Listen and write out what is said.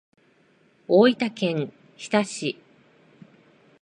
大分県日田市